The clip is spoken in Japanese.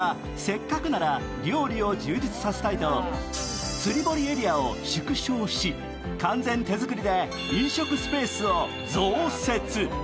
しかし、３代目となった青木さんは、せっかくなら料理を充実させたいと釣堀エリアを縮小し、完全手作りで飲食スペースを増設。